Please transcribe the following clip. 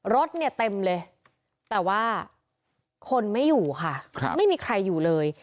รถเนี่ยเต็มเลยแต่ว่าคนไม่อยู่ค่ะไม่มีใครอยู่เลย